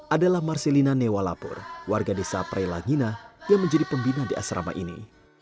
adalah marsilina newalapur warga desa prelangina yang menjadi pembina di asrama ini